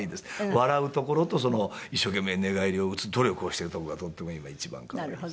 笑うところと一生懸命寝返りを打つ努力をしてるとこがとっても今一番可愛いです。